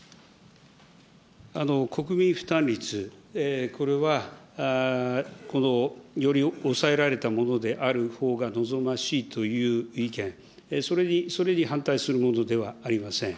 国民負担率、これはこのより抑えられたものであるほうが望ましいという意見、それに反対するものではありません。